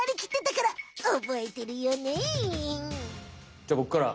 じゃあボクから！